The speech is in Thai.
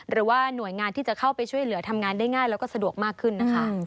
หรือว่าหน่วยงานที่จะเข้าไปช่วยเหลือทำงานได้ง่ายแล้วก็สะดวกมากขึ้นนะคะ